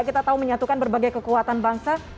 kita tahu menyatukan berbagai kekuatan bangsa